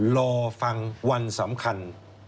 รอฟังวันสำคัญ